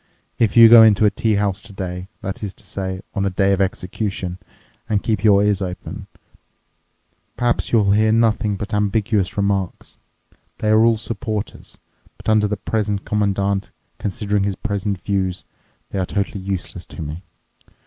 If you go into a tea house today—that is to say, on a day of execution—and keep your ears open, perhaps you'll hear nothing but ambiguous remarks. They are all supporters, but under the present Commandant, considering his present views, they are totally useless to me.